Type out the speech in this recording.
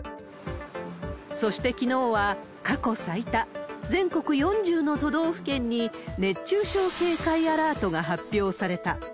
そしてきのうは過去最多、全国４０の都道府県に熱中症警戒アラートが発表された。